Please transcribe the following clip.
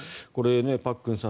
パックンさん